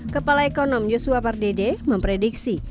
kepala ekonom yosua pardede memprediksi